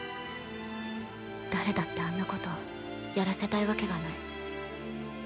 誰だってあんなことやらせたいわけがない。